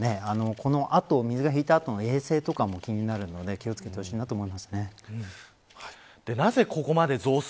この後、水が引いた後の衛生とかも気になるので気を付けてほしいなぜ